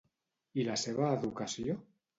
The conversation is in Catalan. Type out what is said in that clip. I la seva educació?